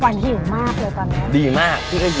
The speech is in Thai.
กวันหิวมากเลยตอนนี้ดีมากดีอายุ